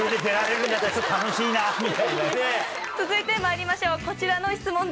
続いてまいりましょうこちらの質問です！